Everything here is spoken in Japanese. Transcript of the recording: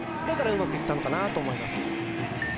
だからうまくいったのかなと思います